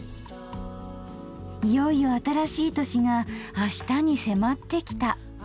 いよいよ新しい年があしたに迫ってきた。